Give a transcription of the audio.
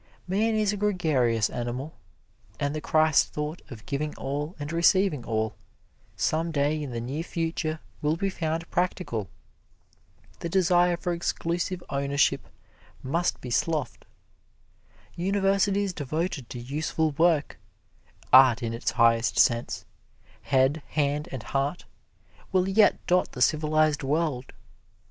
Man is a gregarious animal, and the Christ thought of giving all, and receiving all, some day in the near future will be found practical. The desire for exclusive ownership must be sloughed. Universities devoted to useful work art in its highest sense: head, hand and heart will yet dot the civilized world.